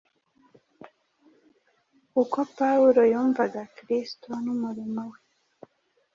uko Pawulo yumvaga Kristo n’umurimo we